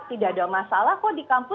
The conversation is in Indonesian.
tidak ada masalah kok di kampus